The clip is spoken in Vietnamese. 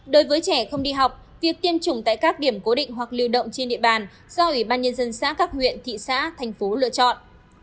đối với trẻ không đi học việc tiêm chủng tại các điểm cố định hoặc lưu động trên địa bàn do ủy ban nhân dân xã các huyện thị xã thành phố lựa chọn